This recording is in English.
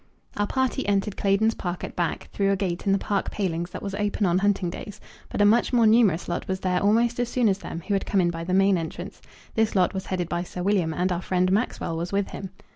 Our party entered Claydon's Park at back, through a gate in the park palings that was open on hunting days; but a much more numerous lot was there almost as soon as them, who had come in by the main entrance. This lot was headed by Sir William, and our friend Maxwell was with him.